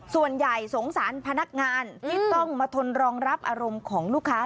ส่วนใหญ่สงสารพนักงานที่ต้องมาทนรองรับอารมณ์ของลูกค้า